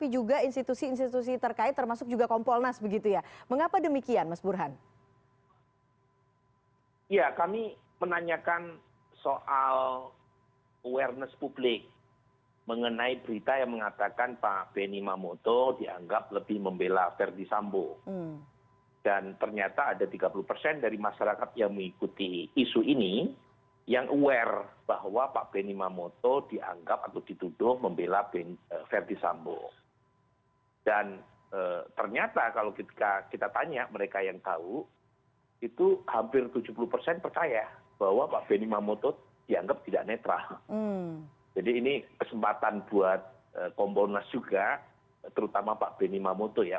jadi ini kesempatan buat komponas juga terutama pak benny mamoto ya